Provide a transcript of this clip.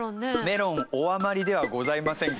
「メロンお余りではございませんか？」。